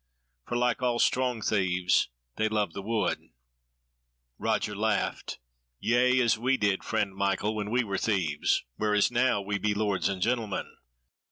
For like all strong thieves, they love the wood." Roger laughed: "Yea, as we did, friend Michael, when we were thieves; whereas now we be lords and gentlemen.